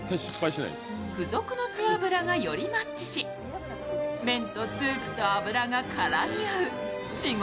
付属の背脂がよりマッチし麺とスープと脂が絡み合う至極